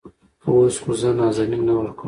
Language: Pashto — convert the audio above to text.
اوس خو زه نازنين نه ورکوم.